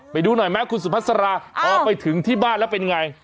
ไปดูหน่อยไหมคุณสุภาษาพอไปถึงที่บ้านแล้วเป็นไง